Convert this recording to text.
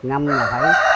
ngâm là phải